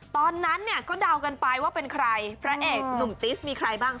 ตอนนั้นเนี่ยก็เดากันไปว่าเป็นใครพระเอกหนุ่มติสมีใครบ้าง